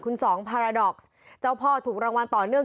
คุณสองพาราดอกซ์เจ้าพ่อถูกรางวัลต่อเนื่อง